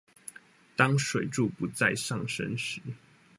當水柱不再上升時